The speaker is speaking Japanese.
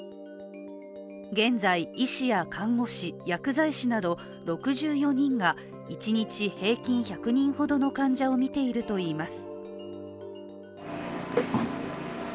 現在、医師や看護師、薬剤師など６４人が一日平均１００人ほどの患者を診ているといいます。